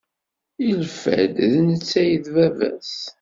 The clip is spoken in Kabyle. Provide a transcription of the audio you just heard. Yelfa-d d netta ay d baba-s.